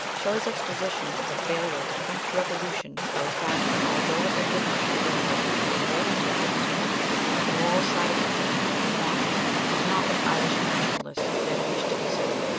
Shelley's exposition of the failure of the French Revolution by the fact that although it had been ushered in by people of great intellect, the moral side of intellect had been wanting, was not what Irish Nationalists then wished to consider.